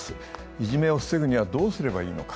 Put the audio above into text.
いじめを防ぐにはどうすればいいのか。